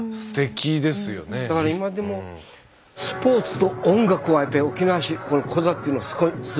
だから今でもスポーツと音楽は沖縄市コザっていうのはすごいんですよ。